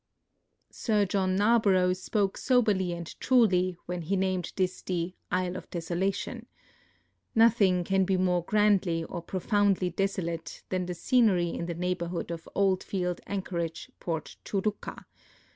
Sir John Narborough spoke soberl}^ and truly when he named this the " Isle of Desolation." Nothing can be more grandl^^ or profoundly desolate than the scenery in the neighborhood of Oldfield anchorage. Port Churruca.